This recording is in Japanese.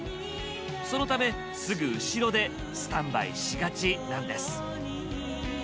そのためすぐ後ろでスタンバイしがちなんです。